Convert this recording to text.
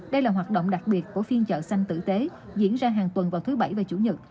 đây là hoạt động đặc biệt của phiên chợ xanh tử tế diễn ra hàng tuần vào thứ bảy và chủ nhật